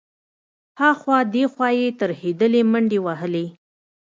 ها خوا دې خوا يې ترهېدلې منډې وهلې.